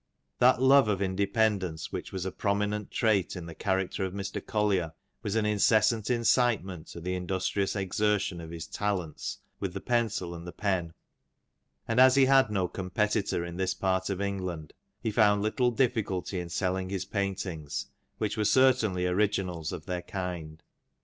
That love of independence v^hich was a prominent trait in the character of Mr. Collier, was an incessant incitement to the industrious exertion of his talents with the pencil and the pen ; and as he had no competitor in this part of England, he found little difficulty in selling his paintings, which were certainly originals of their kind.